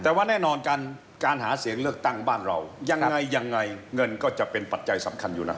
แต่ว่าแน่นอนการหาเสียงเลือกตั้งบ้านเรายังไงยังไงเงินก็จะเป็นปัจจัยสำคัญอยู่นะ